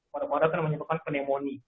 paru paru itu menyebabkan pneumonia